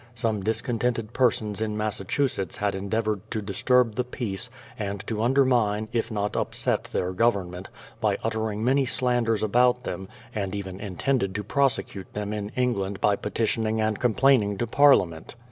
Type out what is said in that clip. Some discontented persons in Massachusetts had endeavoured to disturb the peace, and to undermine if not upset their government, by uttering many slanders about them, and even intended to prosecute them in England by petitioning and complaining to Parliament.